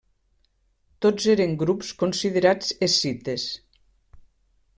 Tots eren grups considerats escites.